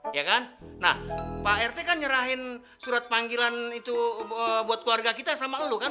ya kan nah pak rt kan nyerahin surat panggilan itu buat keluarga kita sama lu kan